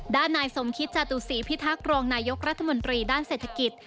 ด้านนายสมคิตจตุศรีพิทักษ์รองนายกรัฐมนตรีด้านเศรษฐกิจ